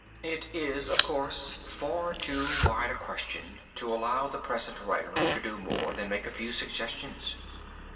It is, of course, far too wide a question to allow the present writer to do more than make a few suggestions.